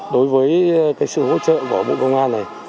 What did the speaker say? đối với sự hỗ trợ của bộ công an này